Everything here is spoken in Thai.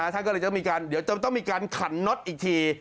ท่านก็เลยต้องมีการเดี๋ยวจะต้องมีการขันน็อตอีกที